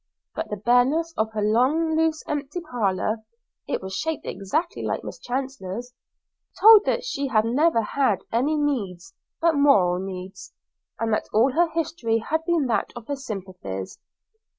But the bareness of her long, loose, empty parlour (it was shaped exactly like Miss Chancellor's) told that she had never had any needs but moral needs, and that all her history had been that of her sympathies.